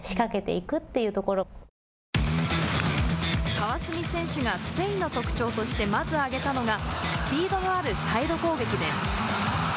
川澄選手がスペインの特徴としてまず挙げたのがスピードのあるサイド攻撃です。